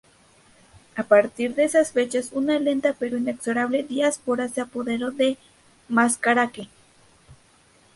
A partir de esas fechas una lenta pero inexorable diáspora se apoderó de Mascaraque.